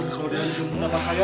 kalau dia isi punggung kakak saya